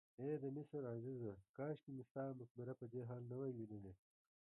ای د مصر عزیزه کاشکې مې ستا مقبره په دې حال نه وای لیدلې.